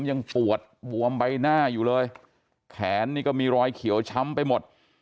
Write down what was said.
ยังปวดบวมใบหน้าอยู่เลยแขนนี่ก็มีรอยเขียวช้ำไปหมด